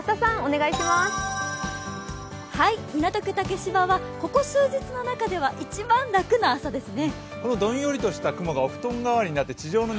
竹芝はここ数日の中では一番楽な朝ですね。